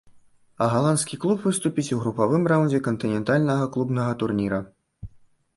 А галандскі клуб выступіць у групавым раўндзе кантынентальнага клубнага турніра.